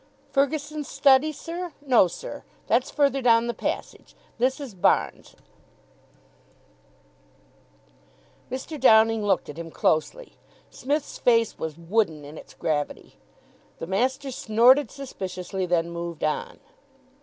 "Ferguson's study, sir? No, sir. That's further down the passage. This is Barnes'." Mr. Downing looked at him closely. Psmith's face was wooden in its gravity. The master snorted suspiciously, then moved on.